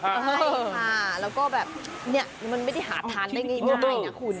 ใช่ค่ะแล้วก็แบบเนี่ยมันไม่ได้หาทานได้ง่ายนะคุณ